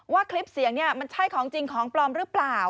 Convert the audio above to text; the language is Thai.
คลิปเสียงเนี่ยมันใช่ของจริงของปลอมหรือเปล่า